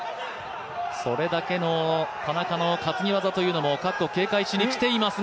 それだけ田中の担ぎ技も各国警戒しに来ていますが。